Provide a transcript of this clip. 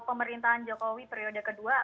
pemerintahan jokowi periode kedua